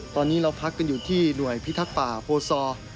ตอนนี้เราพักกันอยู่ที่หน่วยพิทักษ์ป่าโพซอร์